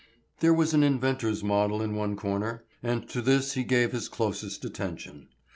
There was an inventor's model in one corner, and to this he gave his closest attention.